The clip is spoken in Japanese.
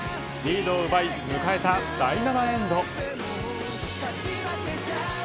リードを奪い迎えた第７エンド。